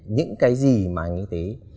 những cái gì mà anh y tế